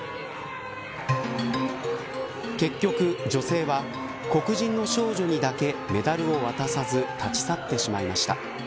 結局、女性は黒人の少女にだけメダルを渡さず立ち去ってしまいました。